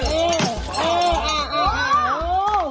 เปิดแล้ว